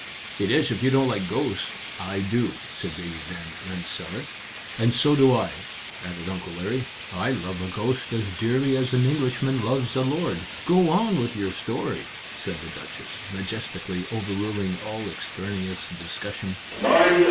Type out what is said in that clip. "It is, if you don't like ghosts. I do," said Baby Van Rensselaer. "And so do I," added Uncle Larry. "I love a ghost as dearly as an Englishman loves a lord." "Go on with your story," said the Duchess, majestically overruling all extraneous discussion.